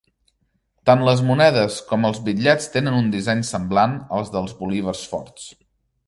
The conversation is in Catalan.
Tant les monedes com els bitllets tenen un disseny semblant al dels bolívars forts.